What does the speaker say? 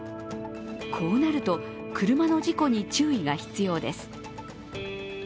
こうなると、車の事故に注意が必要です。